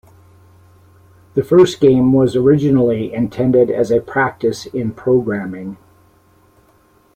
The first game was originally intended as a practice in programming.